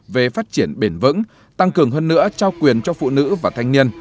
về phát triển bền vững tăng cường hơn nữa trao quyền cho phụ nữ và thanh niên